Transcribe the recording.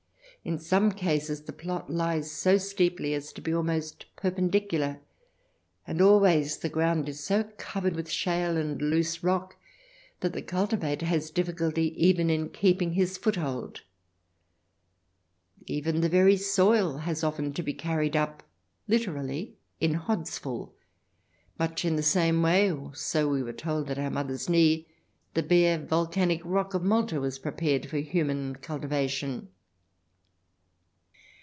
In some cases the plot lies so steeply as to be almost perpendicular, and always the ground is so covered with shale and loose rock that the cultivator has difficulty even in keeping his foothold. Even the very soil has often to be carried up liter CH. XXI] "TAKE US THE LITTLE FOXES" 311 ally in hodsful, much in the same way as, so we were told at our mother's knee, the bare volcanic rock of Malta was prepared for human cultivation.